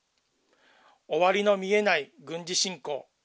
終わりの見えない軍事侵攻。